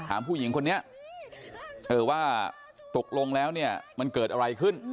ผู้หญิงคนนี้ว่าตกลงแล้วเนี่ยมันเกิดอะไรขึ้น